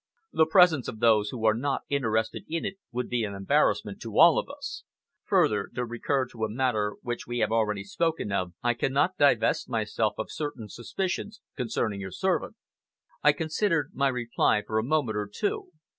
The presence of those who are not interested in it would be an embarrassment to all of us. Further, to recur to a matter which we have already spoken of, I cannot divest myself of certain suspicions concerning your servant." I considered my reply for a moment or two.